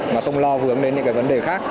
mà không lo vướng đến những cái vấn đề khác